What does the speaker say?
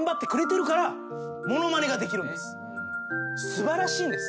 素晴らしいんです。